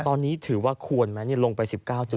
ตอนนี้ถือว่าควรมั้ยเนี่ยลงไป๑๙จุด